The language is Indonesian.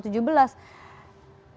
itu gerakan mana